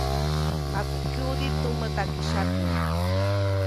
Maku kyuʼdi tumä takisyapne.